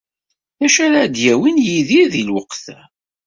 D acu ara d-yawin Yidir deg lweqt-a?